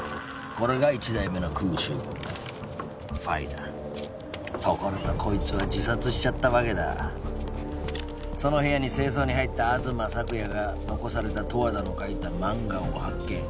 これが１代目のクウシュウゴウφだところがこいつは自殺しちゃったわけだその部屋に清掃に入った東朔也が残された十和田の描いた漫画を発見